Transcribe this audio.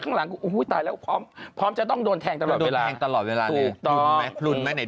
ข้างหลังพร้อมจะต้องโดนแทงตลอดเวลาทรุดไหมอันไหน